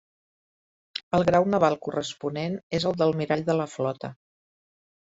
El grau naval corresponent és el d'Almirall de la Flota.